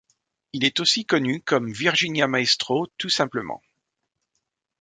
Il est aussi connu comme Virginia Maestro tout simplement.